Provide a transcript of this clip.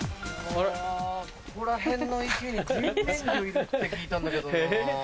ここら辺の池に。って聞いたんだけどな。